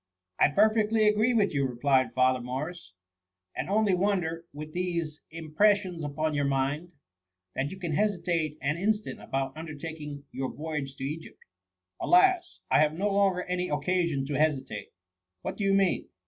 '*^* I perfectly agree with you," replied Father Morris ;^^ and only wonder, with these impres sions upon your mind, that you can hesitate an instant about undertaking your voyage to Egypt ^^ Alas ! I have no longer any occasion to hesitate r What do you mean